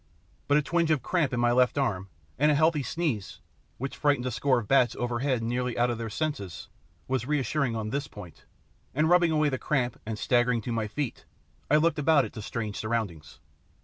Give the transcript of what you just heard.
But a twinge of cramp in my left arm, and a healthy sneeze, which frightened a score of bats overhead nearly out of their senses, was reassuring on this point, and rubbing away the cramp and staggering to my feet, I looked about at the strange surroundings.